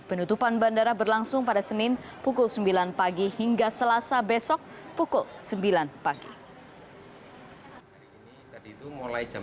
penutupan bandara berlangsung pada senin pukul sembilan pagi hingga selasa besok pukul sembilan pagi